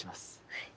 はい。